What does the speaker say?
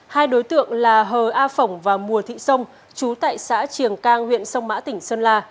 hai đối tượng là hờ a phỏng và mùa thị sông chú tại xã triềng cang huyện sông mã tỉnh sơn la